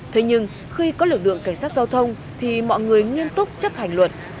thế nhưng khi có lực lượng cảnh sát giao thông thì mọi người nghiêm túc chấp hành luật